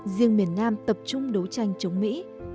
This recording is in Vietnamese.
riêng miền nam tập trung đấu tranh chống mỹ